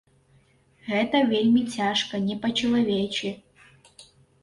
Гэта вельмі цяжка, не па-чалавечы.